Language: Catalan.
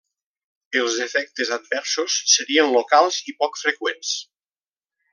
Els efectes adversos serien locals i poc freqüents.